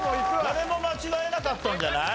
誰も間違えなかったんじゃない？